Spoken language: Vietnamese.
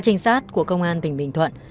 các trình sát của công an tỉnh bình thuận